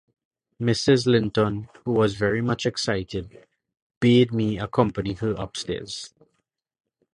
Mrs. Linton, who was very much excited, bade me accompany her upstairs.